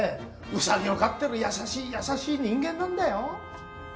うさぎを飼ってる優しい優しい人間なんだよ？